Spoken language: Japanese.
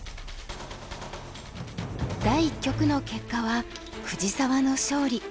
第一局の結果は藤沢の勝利。